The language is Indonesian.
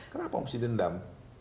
kenapa mesti dendam